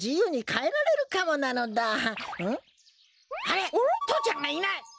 あれ父ちゃんがいない！